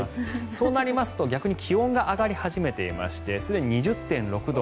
そうなりますと逆に気温が上がり始めていましてすでに２０．６度。